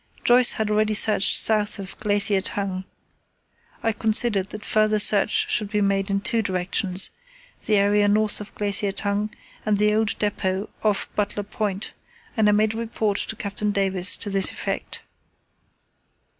Joyce had already searched south of Glacier Tongue. I considered that further search should be made in two directions, the area north of Glacier Tongue, and the old depot off Butler Point, and I made a report to Captain Davis to this effect.